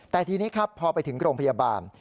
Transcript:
แต่ทีนี้ครับพอไปถึงโรงพยาบาล